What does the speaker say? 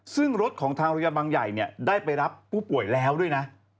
ซึ่งรถของทางโรงพยาบาลบางใหญ่ได้ไปรับผู้ป่วยแล้วด้วยนะ